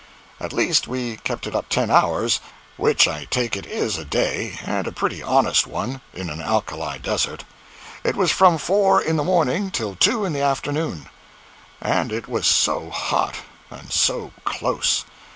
At least we kept it up ten hours, which, I take it, is a day, and a pretty honest one, in an alkali desert. It was from four in the morning till two in the afternoon. And it was so hot! and so close!